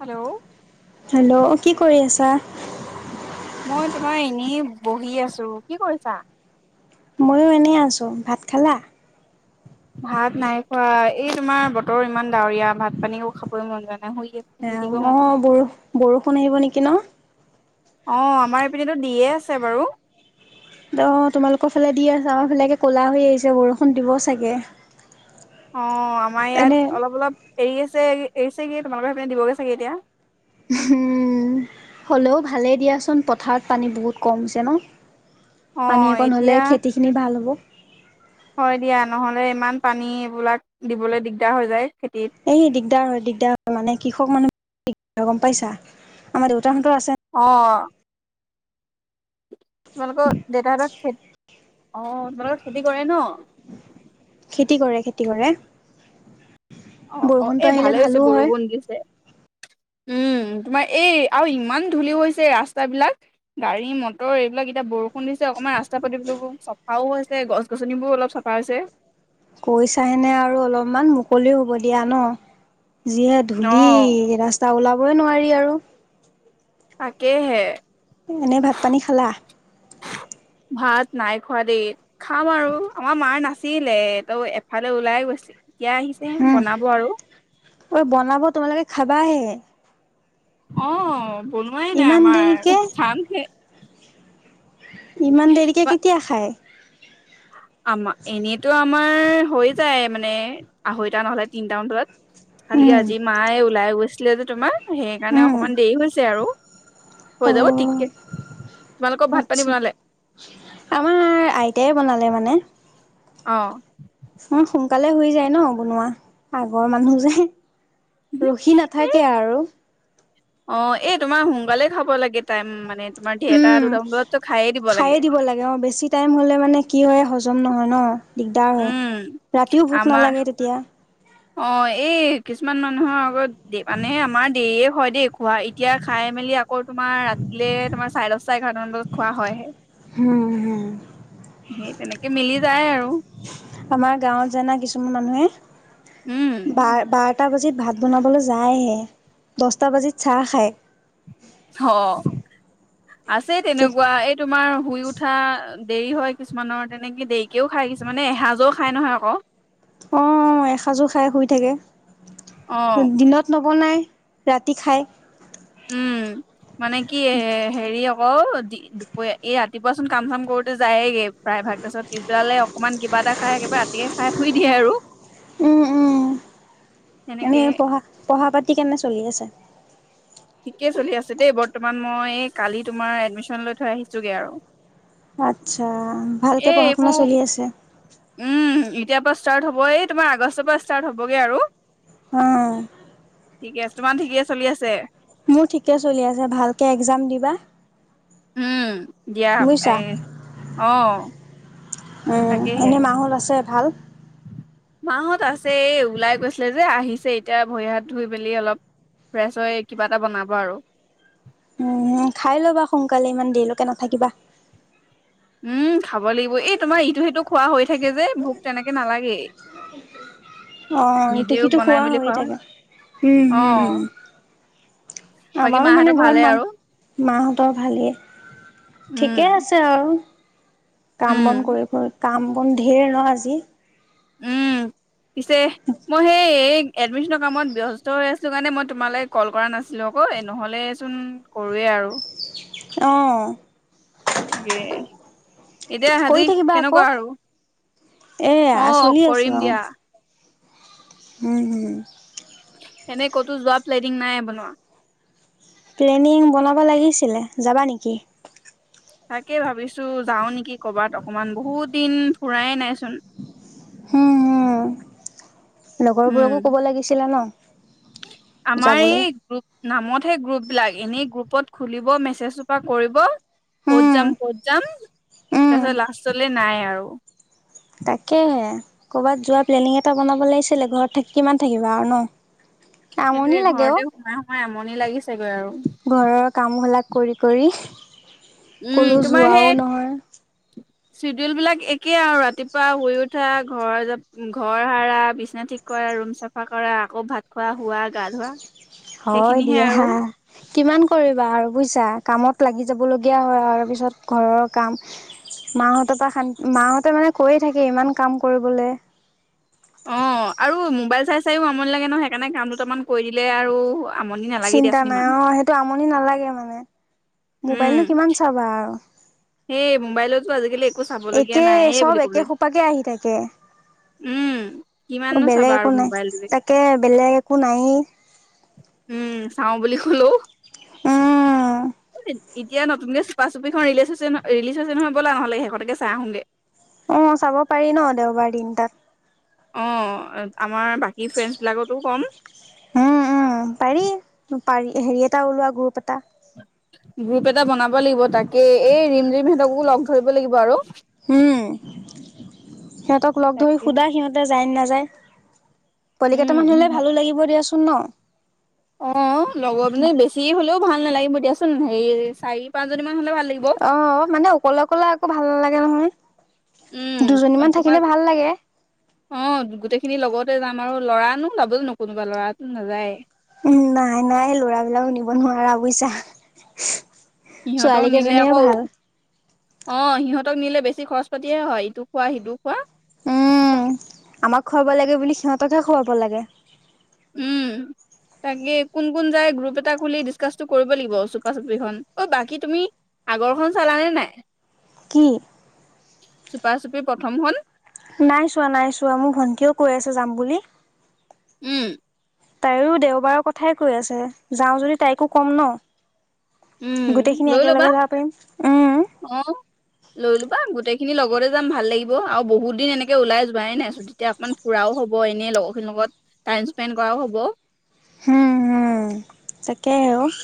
Hello? Hello! কি কৰি আছা? মই তোমাৰ, এনেই বহি আছোঁ। কি কৰিছা? মইয়ো এনেই আছোঁ। ভাত খালা? ভাত নাই খোৱা। এই, তোমাৰ বতৰ ইমান ডাৱৰীয়া, ভাত-পানীও খাবলে মন যোৱা নাই। শুই এ, শুই থাকিব মন অ'! বৰ-বৰষুণ আহিব নেকি ন'? অ'! আমাৰ এইপিনেতো দিয়ে আছে বাৰু। অ'! তোমালোকৰ ফালে দি আছে, আমাৰ ফালে ক'লা হৈ আহিছে, বৰষুণ দিব চাগে। অ'! আমাৰ ইয়াত, এনে অলপ-অলপ এৰি আছে, এৰিছেগে। তোমালোকৰ সেইপিনে দিবগে চাগে এতিয়া। হোঁ! হ'লেও ভালেই দিয়াচোন! পথাৰত পানী বহুত কম হৈছে ন'। অ পানী অকণ হ'লে, এতিয়া খেতি খিনি ভাল হ'ব। হয় দিয়া, নহ'লে ইমান পানী, এইবিলাক দিবলৈ দিগদাৰ হৈ যায়, খেতিত। এই দিগদাৰ হয়, দিগদাৰ হয়। মানে, কৃষক [unintelligible] গম পাইছা? আমাৰ দেউতাহঁতৰ আছে। অ'! তোমালোকৰ দেউতাহঁতৰ খে, অ'! তোমালোকৰ খেতি কৰে ন'? খেতি কৰে, খেতি কৰে। অ' অ'! বৰষুণটো এই আহিলে ভালে ভালো হৈছে, হয়। বৰষুণ দিছে। উম, তোমাৰ এই, আৰু ইমান ধূলি হৈছে ৰাস্তা বিলাক। গাড়ী-মটৰ এইবিলাক এতিয়া, বৰষুণ দিছে। অকণমান ৰাস্তা-পাতি বোৰ চফাও হৈছে, গছ- গছনিবোৰো অলপ চ ফা হৈছে। কৈছাইনে আৰু অলপমান, মুকলিও হ'ব দিয়া ন'। যিহে ধূলি! অ', ৰাস্তা ওলাবই নোৱাৰি আৰু। তাকেহে! এনেই ভাত-পানী খালা? ভাত নাই খোৱা দেই। খাম আৰু আমাৰ মাৰ নাছিলে, ত' এফালে ওলাই গৈছে। এতিয়া আহিছে, উম বনাব আৰু। ঐ বনাব, তোমালোকে খাবাহে। অ'! বনোৱাই নাই ইমান আমাৰ, দেৰিকে খামহে। ইমান দেৰিকে কেতিয়া খায় আমা এনেইতো আমাৰ হৈ যায় মানে আঢ়ৈটা নহলে তিনিটা মান বজাত খালি উম আজি মাই ওলাই গৈছিল যে তোমাৰ সেইকাৰণে উম অকমান দেৰি হৈছে আৰু অ হৈ যাব টিককে তোমালোকক ভাত পানী আচ্ছা বনালে আমাৰ আইতাই বনালে মানে অ নহয় সোনকালে শুই যায় ন বনোৱা আগৰ মানুহ যে ৰখি নাথাকে আৰু অ এই তোমাৰ সোনকালে খাব লাগে টাইম মানে তোমাৰ ডেৰ টা উম দুটামান বজতো খাইয়ে দিব খায়ে লাগে দিব লাগে মই বেছি টাইম হ'লে মানে কি হয় হজম নহয় ন দিগদাৰ হয় উম ৰাতিও ভোক আমাৰ নালাগে তেতিয়া অ এই কিছুমান মানুহৰ আগত দে মানে আমাৰ দেৰি এই হয় দেই খোৱা এতিয়া খাই মেলি আকৌ তোমাৰ ৰাতিলে তোমাৰ চাৰে দহটা এঘাৰটামান বজাত খোৱা হয় হে। হু হু সেই তেনেকে মিলি যায় আৰু আমাৰ গাঁৱত জানা কিছুমান উম মানুহে বা বাৰটা বাজিত ভাত বনাবলৈ যায়হে দছটা বাজিত চাহ খায় অ আছে তেনেকুৱা এই তোমাৰ শুই উঠা দেৰি হয় কিছুমানৰ তেনেকে দেৰিকেও খায় কিছুমানে এসাঁজও খাই নহয় আকৌ অ এসাজো খাই শুই থাকে অ দিনত নবনাই ৰাতি খায় উম [unintelligible] মানে কি হেৰি আকৌ দুপ এই ৰাতিপুৱা চোন কাম চাম কৰোতে যায়েগে প্ৰায় ভাগ তাৰপিছত পিছবেলালে অকণমান কিবা এটা খাই একেবাৰে ৰাতিকে খাই শুই দিয়ে আৰু উম উম তেনেকে এনেই পঢ়া পঢ়া পাতি কেনে চলি আছে ঠিকেই চলি আছে দেই বৰ্তমান মই এই কালি তোমাৰ এডমিশ্যন লৈ থৈ আহিছো গে আৰু আচ্ছা ভালকে এ পঢ়া শুনা এইবোৰ চলি আছে উম এতিয়াৰ পৰা ষ্টাৰ্ট হ'ব এই তোমাৰ আগষ্টৰ পৰা ষ্টাৰ্ট হ'বগে আৰু উম ঠিকে আছে তোমাৰ ঠিকে চলি আছে মোৰ ঠিকে চলি আছে ভালকে এক্সাম দিবা উম দিয়া বুজিছা। এই অ উম তাকেহে এনে মাহত আছে ভাল মাহত আছে এই ওলাই গৈছিলে যে আহিছে এতিয়া ভৰি হাত ধুই মেলি অলপ ফ্ৰেছ হৈ কিবা এটা বনাব আৰু উম খাই ল'বা সোনকালে ইমান দেৰিলৈকে নাথাকিবা উম খাব লাগিব এই তোমাৰ ইটো সিটো খোৱা হৈ থাকে যে ভোক তেনেকে নালাগেই অ এইটো নিজেও সিটো বনাই খোৱা মেলি হৈয়ে হয় থাকে উম অ হোম উম বাকী আমাৰো মানে মাহঁতৰ ঘৰত ভালেই মান আৰু মাহঁতৰ ভালেই, ঠিকে আছ উম আছে আৰু কাম বন উম কৰি ফু কাম বন ধেৰ ন আজি উম [unintelligible] পিছে মই সেই এই এডমিশ্যনৰ কামত ব্যস্ত হৈ আছোঁ কাৰণে মই তোমালে কল কৰা নাছিলোঁ [unintelligible] নহ'লেচোন কৰোৱেই আৰু অহ তাকে। এতিয়া কৰি আজি থাকিবা আকৌ কেনেকুৱা আৰু, এয়া অ' চলি কৰিম দিয়া। উম্, উম্। এনেই কতো যোৱা প্লেনিং নাই বনোৱা। প্লেনিং বনাব লাগিছিলে, যাবা নেকি? তাকেই ভাবিছোঁ, যাওঁ নেকি কৰ'বাত। অকমান, বহুত দিন ফুৰায়ে নাইচোন। উম্, উম্, উম লগৰবোৰকো ক'ব লাগিছিলে ন'! আমাৰ যাবলৈ এই গ্ৰুপ নামতহে গ্ৰুপবিলাক, এনেই গ্ৰুপ খুলিব, মেছেজ সোপা কৰিব। ক'ত উম যাম, ক'ত যাম। উম তাৰপিছত লাষ্টলৈ নাই আৰু। তাকেহে, ক'ৰবাত যোৱা প্লেনিং এটা বনাব লাগিছিলে। ঘৰত থা কিমান থাকিবা আৰু ন'! আমনি সেইটোয়ে, লাগে অ ঘৰতে সোমাই সোমাই আমনি লাগিছেগৈ আৰু। ঘৰৰ কামবিলাক কৰি কৰি, উম কলৈয়ো যোৱাই নহয়। [unintelligible] চিডোৱেল বিলাক একেই আৰু, ৰাতিপুৱা শুই উঠা, ঘৰ ঘৰ সাৰা, বিছনা ঠিক কৰা, ৰুম চাফা কৰা। আকৌ ভাত খোৱা, শুৱা, গা ধোৱা। হয় সেইখিনিহে দিয়া। আৰু কিমান কৰিবা আৰু বুজিছা। কামত লাগি যাব লগিয়া হয়, তাৰ পিছত ঘৰৰ কাম মাহঁতৰ পৰা শান্ত, মা হতে মানে কৈয়ে থাকে। ইমান কাম কৰিবলে। অ', আৰু মোবাইল চাই চাইও আমনি লাগে ন', সেই কাৰণে কাম দুটা মান কৰি দিলে আৰু আমনি নালাগে চিন্তা দিয়াচোন নাই ইমান অ', সেইটো আমনি নালাগে মানে। উম মোবাইলনো কিমান চাবা আৰু। সেই মোবাইলতো আজিকালি একো চাব লগীয়া একে নাইয়ে চব বুলি একে কবলৈ সোপাকে আহি থাকে উম্, অ', বেলেগ একো নাই, তাকে বেলেগ একো নাইয়ে। উম্, চাওঁ বুলি ক'লো। উম্, এতিয়া নতুনকে চুপা-চুপি খন ৰিলিজ হৈছে নহয়, ৰিলিজ হৈছে নহয়, ব'লা নহ'লে সেই খনকে চাই আহোগে। অ', চাব পাৰি ন', দেওবাৰ দিন তাত। অ', আমাৰ বাকী ফ্ৰেণ্ডছ বিলাককো কম। উম্, উম্, পাৰি। পাৰ হেৰি এটা ওলোৱা গ্ৰুপ এটা। গ্ৰুপ এটা বনাব লাগিব। তাকেই, এই ৰিমঝিম হতকো লগ ধৰিব লাগিব আৰু। উম সিহঁতক লগ ধৰি তাকে সুদাই যায় নাযায়, পোৱালী উম কেইটামান হ'লে সিহঁত ভালো লাগিব দিয়া চোন ন'। অ', লগৰ মানে বেছি হ'লেও ভাল নালাগিব দিয়াচোন, হেৰি চাৰি পাঁচজনী মান হ'লে ভাল লাগিব। অ', মানে অকলে অকলে আকৌ ভাল নালাগে নহয়। উম দুজনীমান তোমাৰ থাকিলে ভাল লাগে। অ', গোটেই খিনি লগতে যাম আৰু, ল'ৰানো যাব জানোঁ। কোনোবা ল'ৰাটো নাযায়। উম্, নাই নাই। ল'ৰা বিলাকক নিব নোৱাৰা বুজিছা। সিহঁতক ছোৱালী নিলে কেইজনীয়ে আকৌ ভাল। অ', সিহঁতক নিলে বেছি খৰচ পাতিয়ে হয়। ইটো খোৱা সিটো খোৱা। উম্, আমাক খোৱাব লাগে বুলি। সিহঁতকহে খোৱাব লাগে। উম [unintelligible] তাকে কোন কোন যায়, গ্ৰুপ এটা খুলি ডিচকাচটো কৰিব লাগিব। চুপা চুপি খন অ', বাকী তুমি আগৰ খন চালানে নাই? কি? চুপা চুপি প্ৰথম খন। নাই চোৱা নাই চোৱা, মোৰ ভণ্টীয়েও কৈ আছে যাম বুলি। উমঁ'। তাইও দেওবাৰৰ কথাই কৈ আছে, যাওঁ যদি তাইকো ক'ম ন'? গোটেই উম খিনি একেলগে যাব পাৰিম, উমঁ। উমঁ'। লৈ লোবা, গোটেই খিনি লগতে যাম ভাল লাগিব আৰু বহুত দিন এনেকে ওলাই যোৱাই নাই চোন। তেতিয়া অকমান ফুৰাও হ'ব এনে লগৰ খিনিৰ লগত, টাইম স্পেণ্ড কৰাও হ'ব। হুম হুম, তাকেহে অঁ'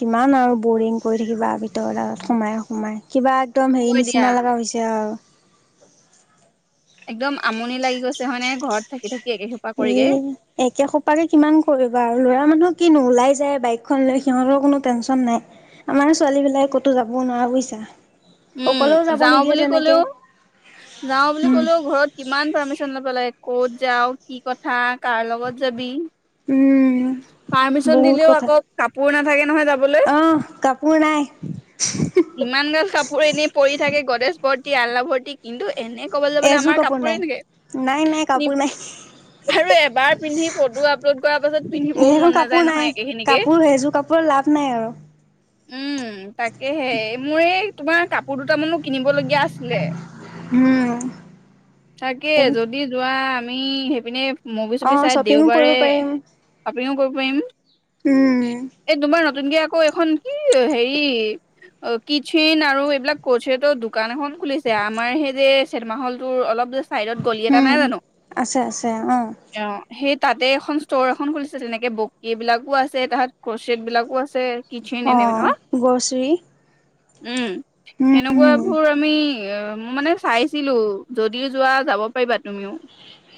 কিমান আৰু বৰিং কৰি থাকিবা- ভিতৰত সোমাই সোমাই, কিবা একদম হেৰি হয় দিয়া নিচিনা লগা হৈছে আৰু। একদম আমনী লাগি গৈছে হয় নাই ঘৰত থাকি থাকি একে সোপা এ কৰিকে। একে সোপাকে কিমান কৰিবা আৰু ল'ৰা মানুহক কিনো ওলাই যায় বাইকখন লৈ সিহঁতৰো কোনো টেনশ্যন নাই। আমাৰ ছোৱালী বিলাকে ক'তো যাবও নোৱাৰা বুইছা। উমঁ' যাওঁ বুলি ক'লেও, যাওঁ বুলি উম ক'লেও ঘৰত কিমান পাৰ্মিচন ল'ব লাগে ক'ত যাওঁ, কি কথা, কাৰ লগত যাবি। উম পাৰ্মিচন বহুত দিলেও কথা আকৌ কাপোৰ নাথাকে নহয় যাবলৈ। আহ কাপোৰ নাই। ইমান গাল কাপোৰ এনেই পৰি থাকে গ্ৰদেছ ভৰ্তি আলনা ভৰ্তি কিন্তু এনে ক'বলৈ বোলে এযোৰ আমাৰ কাপোৰ কাপোৰে নাই এনেকে নাই নাই নি কাপোৰ নাই আৰু এবাৰ পিন্ধি ফটো আপলোড কৰাৰ পাছত পিন্ধিবও সেইখন মন কাপোৰ নাযায় নাই নহয় একেখিনিকে। কাপোৰ সেইযোৰ লাভ নাই আৰু। উমঁ' তাকেহে, মোৰ এই- তোমাৰ কাপোৰ দুটামান মোৰ কিনিব লগীয়া আছিলে। উম তাকে, অ যদি যোৱা আমি সেইপিনে- মুভি-চুভি চাই শ্বপিঙো দেওবাৰে কৰিব পাৰিম [unintelligible] কৰিব পাৰিম, উম এই তোমাৰ - নতুনকে আকৌ এইখন কি হেৰি- অ' কিচেন আৰু এইবিলাক কছেতৰ দোকান এখন খুলিছে, আমাৰ সেই যে চিনেমা হ'ল'টোৰ অলপ যে- চাইডত গলি এটা উম নাই জানোঁ- আছে আছে অ অঁ' সেই তাতে এখন ষ্ট'ৰ এখন খুলিছে তেনেকে বকী বিলাকো আছে তাৰপাছত ক্ৰচেট বিলাকো আছে। কিচেন অঁ' গ'ছেৰি। উমঁ' সেনেকুৱা বোৰ আমি মোৰ মানে চাইছিলোঁ, যদি যোৱা যাব পাৰিবা তুমিও।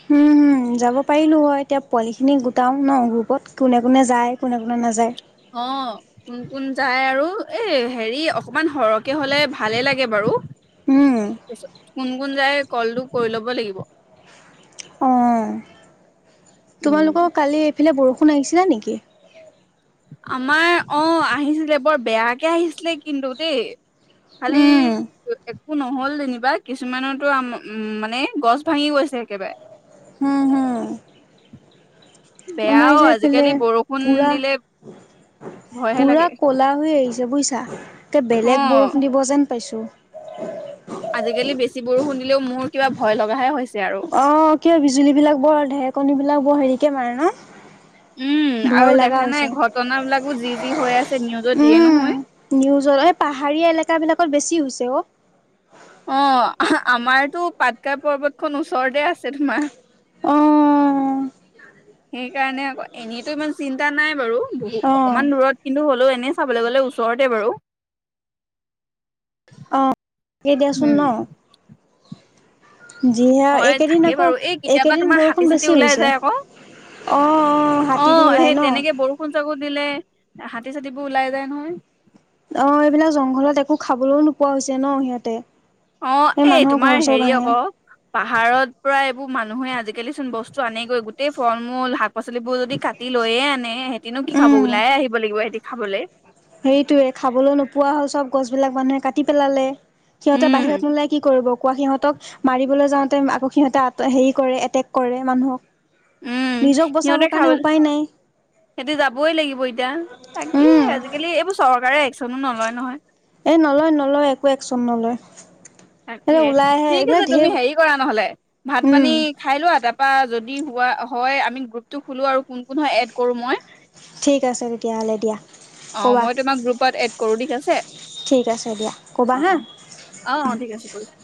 হুম হুম। যাব পাৰিলোঁ হয় এতিয়া পোৱালিখিনি গোটাও ন' গ্ৰুপত কোনে কোনে যায় কোনে কোনে নাযায়। অঁ'। কোন কোন যায় আৰু এ হেৰি অকমান সৰহকে হ'লে ভালে লাগে বাৰু। উম কোন কোন যায় কলটো কৰি ল'ব লাগিব। অঁ' উম তোমালোকৰ কালি এইফালে বৰষুণ আহিছিলে নেকি? আমাৰ অঁ' আহিছিলে বৰ বেয়াকে আহিছিলে কিন্তু দেই। উম খালি- একো নহ'ল যেনিবা, কিছুমানতো আম, মানে গছ ভাঙি গৈছে একেবাৰে। হুম হুম। আমাৰ বেয়াও যে এইফালে আজিকালি বৰষুণ পুৰা। দিলে ভয়হে পুৰা লাগে কলা হৈ আহিছে বুজিছা, একে অ বেলেগ বৰষুণ দিব যেন পাইছোঁ। আজিকালি বেছি বৰষুণ দিলেও মোৰ কিবা ভয় লগাহে হৈছে আৰু। অঁ, কিয় বিজুলী বিলাক বৰ, ঢেৰকণী বিলাক বৰ হেৰিকে মাৰে ন'? উম, ভয় আৰু লগা দেখা নাই? হৈছে। ঘটনি বিলাকো যি-যি হৈ আছে নিউজত দিয়ে নহয়। নিউজৰ এই পাহাৰীয়া এলেকাবিলাকত বেছি হৈছে অ'। অঁ, আহ্ আমাৰতো পাটকা পৰ্বতখন ওচৰতে আছে তোমাৰ। অঁ সেইকাৰণে আক' এনেটো ইমান চিন্তা নাই বাৰু। বহু অ', অকমান দূৰত কিন্তু হ'লেও এনেই চাবলৈ গ'লে ওচৰতে বাৰু। অঁ, দি দিয়াচোন ন'? যিহে হয়। এইকেইদিন থাকেই আকৌ বাৰু। এই কেতিয়াবা এইকেইদিন তোমাৰ বৰষুণ বেছি হাতী-চাতি ওলাই হৈছে। যায় আক'? অ', অ', হাতীটো অঁ, ওলাই সেই ন। তেনেকে বৰ ষুণ- চৰষুণ দিলে হাতী-চাতিবোৰ ওলাই যায় নহয়। অঁ, এইবিলাক জংঘলত একো খাবলো নোপোৱা হৈছে ন' সিহঁতে। অঁ, এই মানুহৰ ঘৰ তোমাৰ চৰ হেৰি ভাঙে। আক' পাহাৰত পৰা এইবোৰ মানুহে আজিকালি চোন বস্তু আনেগৈ গোটেই ফল-মূল শাক পাচলিবোৰ যদি কাটি লৈয়ে আনে হেতিনো কি খাব? উম, ওলাই আহিব লাগিব সিহঁতি খাবলে। সেইটোৱে খাবলৈ নোপোৱা হ'ল চব গছ বিলাক মানুহে কাটি পেলালে। সিহঁতে উম বাহিৰত নোলাই কি কৰিব কোৱা? সিহঁতক মাৰিবলৈ যাওঁতে আকৌ সিহঁতে হেৰি কৰে এটেক কৰে মানুহক। উম, হো নিজক সিহঁতে বচাবৰ কাৰণে খাবলে উপায় নাই হেতি যাবই লাগিব এতিয়া। তাকে, উম আজিকালি এইবোৰ চৰকাৰে এক্সনো নলয় নহয়। এ নলয় নলয় একো এক্সন নলয়। এ তাকে ওলাই আহে ঠিক এইবিলাক আছে। ঢেৰ তুমি হেৰি কৰা নহ'লে উম ভাত-পানী খাই লোৱা। তাৰপৰা যদি হোৱা হয় আমি গ্ৰুপটো খুলো আৰু কোন কোন হয় এড কোৰো মই। ঠিক আছে তেতিয়া হ'লে দিয়া। অঁ, ক'বা মই তোমাক গ্ৰুপত এড কৰোঁ ঠিক আছে। ঠিক আছে দিয়া ক'বা অঁ, হা অঁ। অঁ, অঁ ঠিক আছে কৰিছোঁ।